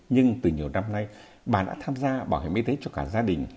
nhưng từ nhiều năm nay bà đã tham gia bảo hiểm y tế cho cả gia đình